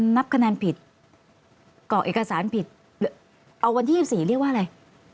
นับคะแนนผิดกรอกเอกสารผิดเอาวันที่๒๔เรียกว่าอะไร